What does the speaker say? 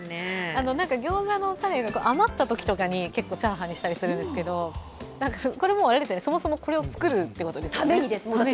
ギョーザのたれが余ったときとかに結構チャーハンにしたりするんですけど、これは、そもそもこれを作るためにということですね。